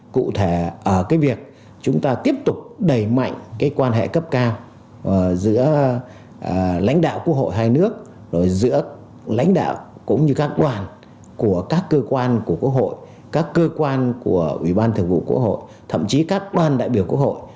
cụ thể ở việc chúng ta tiếp tục đẩy mạnh quan hệ cấp cao giữa lãnh đạo quốc hội hai nước giữa lãnh đạo cũng như các quan của các cơ quan của quốc hội các cơ quan của ủy ban thực vụ quốc hội thậm chí các quan đại biểu quốc hội